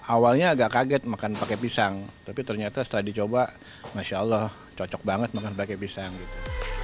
awalnya agak kaget makan pakai pisang tapi ternyata setelah dicoba masya allah cocok banget makan pakai pisang gitu